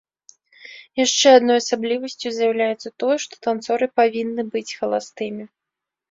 Яшчэ адной асаблівасцю з'яўляецца тое, што танцоры павінны быць халастымі.